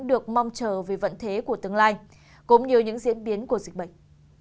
được mong chờ vì vận thế của tương lai cũng như những diễn biến của dịch bệnh